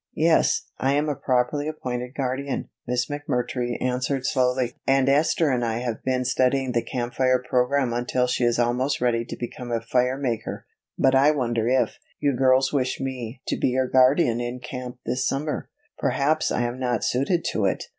"Yes, I am a properly appointed guardian," Miss McMurtry answered slowly, "and Esther and I have been studying the Camp Fire program until she is almost ready to become a Fire Maker, but I wonder if, you girls wish me to be your guardian in camp this summer? Perhaps I am not suited to it!"